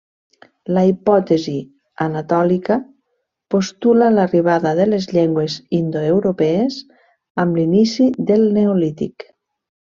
La hipòtesi anatòlica postula l'arribada de les llengües indoeuropees amb l'inici del Neolític.